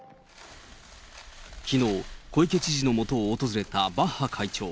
きのう、小池知事の元を訪れたバッハ会長。